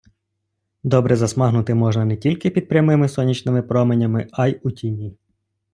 Добре засмагнути можна не тільки під прямими сонячними променями, а й у тіні.